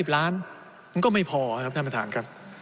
มันก็ไม่พอครับถ้านปฐานครับ